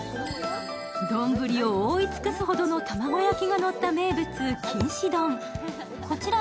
丼を覆い尽くすほどの卵焼きがのった名物、きんし丼。